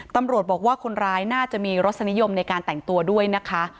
ตำรวจบอกว่าคนร้ายน่าจะมีรสนิยมในการแต่งตัวด้วยนะคะ